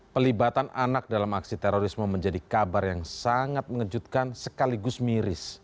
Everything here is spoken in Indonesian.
pelibatan anak dalam aksi terorisme menjadi kabar yang sangat mengejutkan sekaligus miris